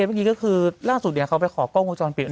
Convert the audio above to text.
เมื่อกี้ก็คือล่าสุดเขาไปขอกล้องวงจรปิด